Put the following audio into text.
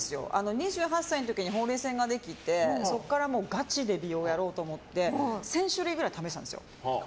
２８歳の時にほうれい線ができてそこから、ガチで美容をやろうと思って１０００種類くらい試したんです。